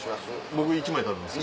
僕１枚食べます。